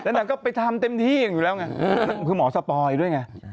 นางก็ไปทำเต็มที่อยู่แล้วไงนั่นคือหมอสปอยด้วยไง